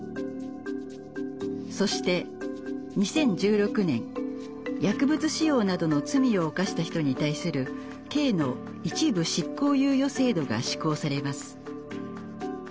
そして２０１６年薬物使用などの罪を犯した人に対する刑の一部執行猶予制度が施行されます。